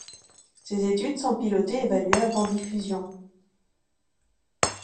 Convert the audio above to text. Ces études sont pilotées et évaluées avant diffusion.